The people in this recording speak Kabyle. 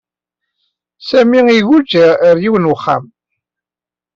Sami iguǧǧ ɣer yiwen n uxxam.